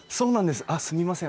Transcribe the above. すみません